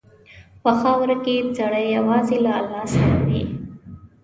په خاوره کې سړی یوازې له الله سره وي.